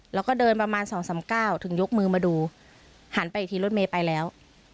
แล้วก็เดินประมาณสองสามเก้าถึงยกมือมาดูหันไปอีกทีรถเมย์ไปแล้ว